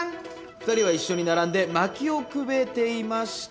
２人は一緒に並んで薪をくべていました。